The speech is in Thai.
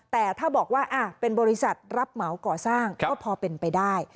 แต่ถ้าบอกว่าเป็นบริษัทรับเหมาก่อสร้างก็พอเป็นไปได้